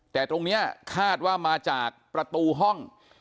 แต่ตรงนี้คาดว่ามาจากประตูห้อง